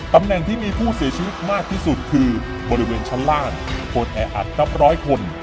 ตำแหน่งที่มีผู้เสียชีวิตมากที่สุดคือบริเวณชั้นล่างคนแออัดนับร้อยคน